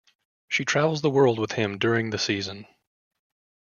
She travels the world with him during the season.